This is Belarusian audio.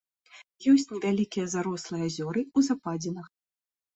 Ёсць невялікія зарослыя азёры ў западзінах.